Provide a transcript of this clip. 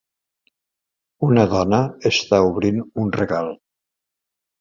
Una dona està obrint un regal